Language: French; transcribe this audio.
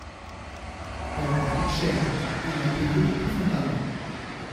Elle lui coûte cher : il l'a payée de tout son talent.